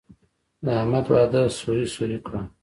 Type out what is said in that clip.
د احمد واده سوري سوري کړم.